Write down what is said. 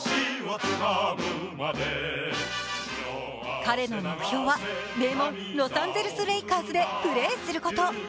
彼の目標は名門・ロサンゼルス・レイカーズでプレーすること。